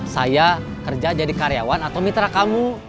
saya kerja jadi karyawan atau mitra kamu